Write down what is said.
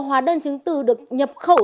hóa đơn chứng tư được nhập khẩu